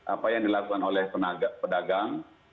apa yang dilakukan oleh pedagang